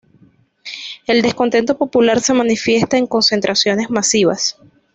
El descontento popular se manifiesta en concentraciones masivas.